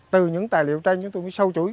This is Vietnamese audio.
từ những tài liệu tranh chúng tôi mới sâu chuỗi